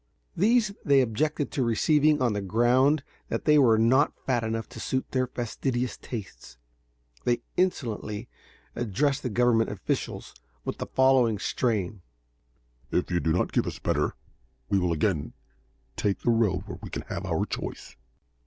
These they objected to receiving on the ground that they were not fat enough to suit their fastidious tastes. They insolently addressed the Government officials in the following strain: "If you do not give us better, we will again take the road where we can have our choice."